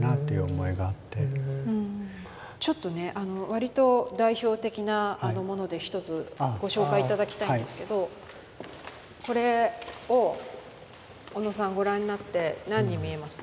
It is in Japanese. わりと代表的なもので一つご紹介頂きたいんですけどこれを小野さんご覧になって何に見えます？